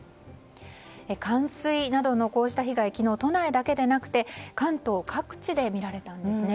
冠水などのこうした被害は昨日、都内だけでなくて関東各地で見られたんですね。